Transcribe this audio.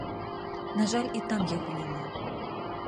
На жаль, і там яго няма.